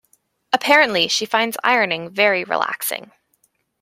Apparently, she finds ironing very relaxing.